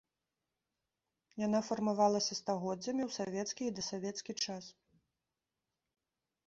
Яна фармавалася стагоддзямі ў савецкі і дасавецкі час.